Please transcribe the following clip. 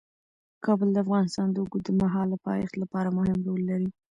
کابل د افغانستان د اوږدمهاله پایښت لپاره مهم رول لري.